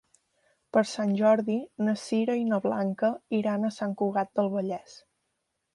Per Sant Jordi na Sira i na Blanca iran a Sant Cugat del Vallès.